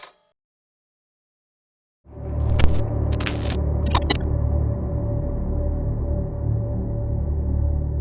การคลาด